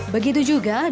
begitu juga di